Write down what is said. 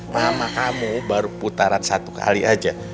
mama kamu baru putaran satu kali aja